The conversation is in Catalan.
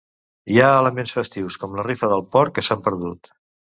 Hi ha elements festius com la rifa del porc que s'han perdut.